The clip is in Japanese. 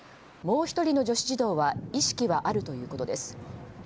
もう１人の女子児童は意識はあるということです。